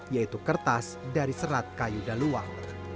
yaitu kertas dari serat kayu daluang